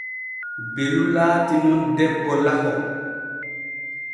Belu laati nun debbo laho.